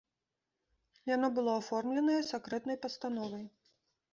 Яно было аформленае сакрэтнай пастановай.